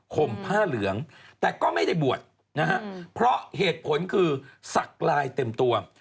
มผ้าเหลืองแต่ก็ไม่ได้บวชนะฮะเพราะเหตุผลคือสักลายเต็มตัว